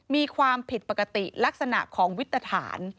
มีความผิดปกติลักษณะของวิตรฐาน